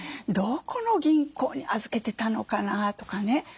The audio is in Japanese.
どこの銀行に預けてたのかな？とかね。